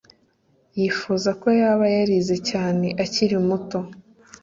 Yifuza ko yaba yarize cyane akiri muto